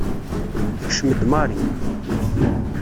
Tekcem-d Mary.